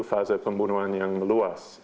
fase pembunuhan yang meluas